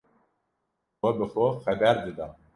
Xwe bi xwe xeber dida.